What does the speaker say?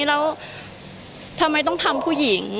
แล้วทำไมต้องทำผู้หญิง